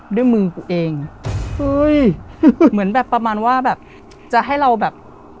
ด้วยมือกูเองเฮ้ยเหมือนแบบประมาณว่าแบบจะให้เราแบบ